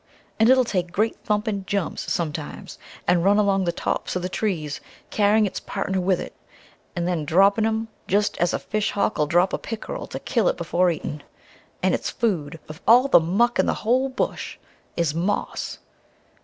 An' it'll take great thumpin' jumps sometimes, an' run along the tops of the trees, carrying its partner with it, an' then droppin' him jest as a fish hawk'll drop a pickerel to kill it before eatin'. An' its food, of all the muck in the whole Bush is moss!"